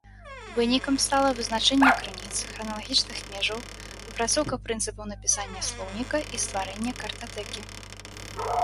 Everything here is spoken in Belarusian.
Вынікам стала вызначэнне крыніц, храналагічных межаў, выпрацоўка прынцыпаў напісання слоўніка і стварэння картатэкі.